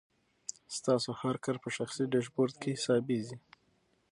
ستاسو هر کار په شخصي ډیشبورډ کې حسابېږي.